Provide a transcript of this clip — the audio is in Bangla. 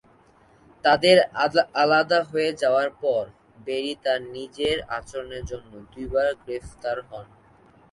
তাদের আলাদা হয়ে যাওয়ার পর ব্যারি তার নিজের আচরণের জন্য দুইবার গ্রেফতার হন।